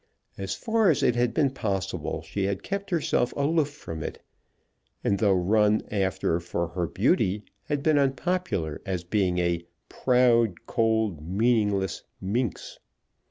As far as it had been possible she had kept herself aloof from it, and though run after for her beauty, had been unpopular as being a "proud, cold, meaningless minx."